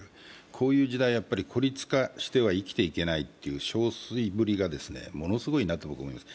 こういう時代、やっぱり孤立化しては生きていけないというしょうすいぶりがものすごいなと思います。